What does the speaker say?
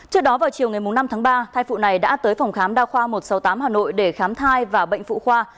trước đó vào chiều ngày năm tháng ba thai phụ này đã tới phòng khám đa khoa một trăm sáu mươi tám hà nội để khám thai và bệnh phụ khoa